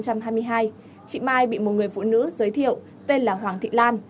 chị mai bị một người phụ nữ giới thiệu tên là hoàng thị lan